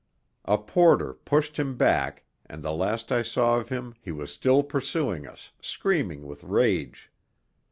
A porter pushed him back and the last I saw of him he was still pursuing us, screaming with rage.